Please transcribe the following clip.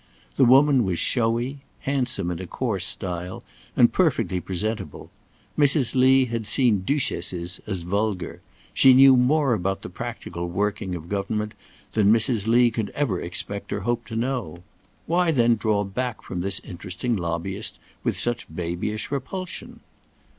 The woman was showy, handsome in a coarse style, and perfectly presentable. Mrs. Lee had seen Duchesses as vulgar. She knew more about the practical working of government than Mrs. Lee could ever expect or hope to know. Why then draw back from this interesting lobbyist with such babyish repulsion?